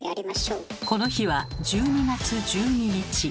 この日は１２月１２日。